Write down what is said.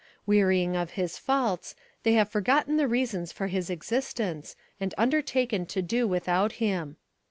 Wearying of his faults, they have forgotten the reasons for his existence and undertaken to do without him.